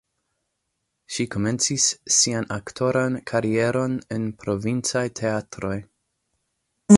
Ŝi komencis sian aktoran karieron en provincaj teatroj.